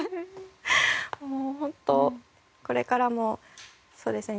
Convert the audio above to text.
もう本当これからもそうですね